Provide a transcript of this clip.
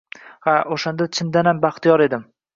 Ha, o`shanda chindanam baxtiyor edim